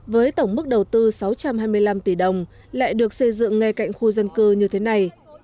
với tổng mức đầu tư sáu trăm hai mươi năm tỷ đồng lại được xây dựng ngay cạnh khu dân cư như thế này